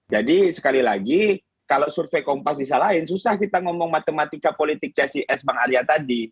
jadi sekali lagi kalau survei kompas bisa lain susah kita ngomong matematika politik csis bang arya tadi